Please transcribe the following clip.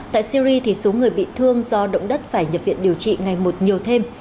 tại syri số người bị thương do động đất phải nhập viện điều trị ngày một nhiều thêm